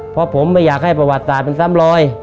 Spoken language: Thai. เพราะผมไม่อยากให้ประวัติศาสตร์เป็นซ้ำรอย